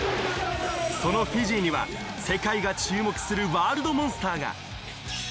そのフィジーには世界が注目する、ワールドモンスターが。